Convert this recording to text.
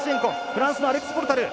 フランスのアレクス・ポルタル。